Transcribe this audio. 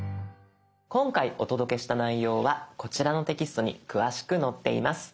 今回お届けした内容はこちらのテキストに詳しく載っています。